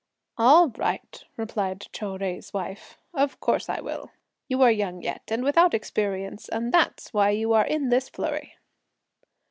"All right," replied Chou Jui's wife, "of course I will; you are young yet, and without experience, and that's why you are in this flurry."